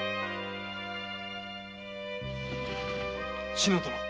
・篠殿。